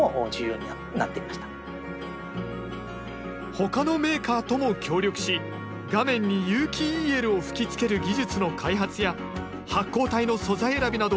他のメーカーとも協力し画面に有機ＥＬを吹きつける技術の開発や発光体の素材選びなど試行錯誤。